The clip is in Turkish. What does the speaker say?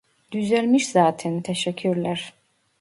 Düzelmiş zaten teşekkürler